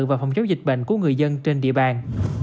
và phòng chống dịch bệnh của người dân trên địa bàn